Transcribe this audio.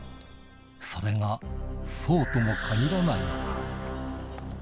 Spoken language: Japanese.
それがそうとも限らないのだ